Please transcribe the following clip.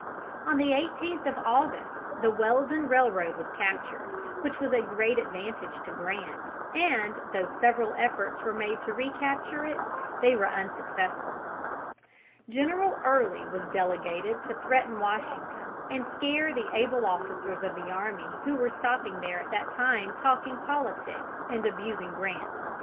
On the 18th of August the Weldon Railroad was captured, which was a great advantage to Grant, and, though several efforts were made to recapture it, they were unsuccessful. [Illustration: PAUSING TO GET LAUNDRY WORK DONE.] General Early was delegated to threaten Washington and scare the able officers of the army who were stopping there at that time talking politics and abusing Grant.